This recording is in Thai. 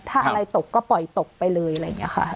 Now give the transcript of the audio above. ถ้าอะไรตกก็ปล่อยตกไปเลยอะไรอย่างนี้ค่ะ